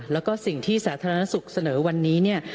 แล้วก็สิ่งที่สาธารณสุขเสนอวันนี้เนี่ย